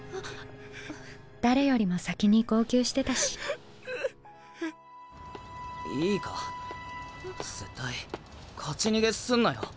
誰よりも先に号泣してたしいいか絶対勝ち逃げすんなよ！